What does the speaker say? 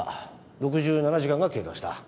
６７時間が経過した。